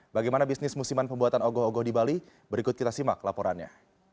bagaimana bisnis musiman pembuatan ogoh ogoh di bali berikut kita simak laporannya